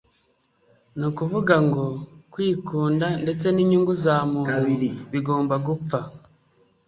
Ni ukuvuga ngo kwikunda ndetse n'inyungu za muntu bigomba gupfa.